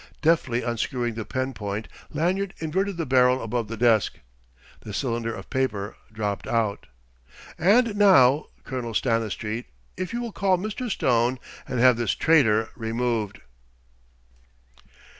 Deftly unscrewing the pen point, Lanyard inverted the barrel above the desk. The cylinder of paper dropped out. "And now, Colonel Stanistreet, if you will call Mr. Stone and have this traitor removed...."